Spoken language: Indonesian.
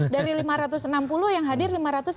dari lima ratus enam puluh yang hadir lima ratus enam puluh